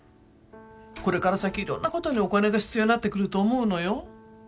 これから先いろんなことにお金が必要になってくると思うのよ。